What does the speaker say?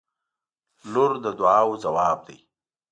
• لور د دعاوو ځواب دی.